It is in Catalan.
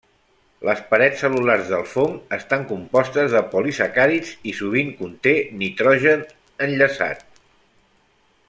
Les parets cel·lulars del fong estan compostes de polisacàrids i sovint conté nitrogen enllaçat.